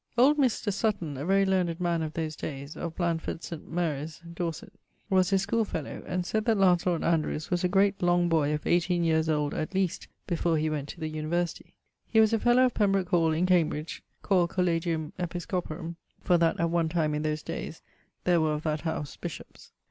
Old Mr. Sutton, a very learned man of those dayes, of Blandford St. Maries, Dorset, was his school fellowe, and sayd that Lancelot Andrewes was a great long boy of 18 yeares old at least before he went to the university. He was a fellowe of Pembroke hall, in Cambridge (called Collegium Episcoporum, for that, at one time, in those dayes, there were of that house ... bishops).